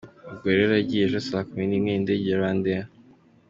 Ubwo rero yagiye ejo saa kumi n’imwe n’indege ya RwandAir.